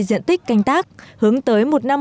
diện tích canh tác hướng tới một năm